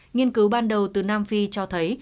nghiên cứu ban đầu từ nam phi cho thấy